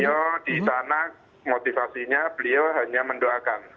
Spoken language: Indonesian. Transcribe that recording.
beliau di sana motivasinya beliau hanya mendoakan